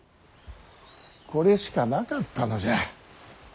これしかなかったのじゃ。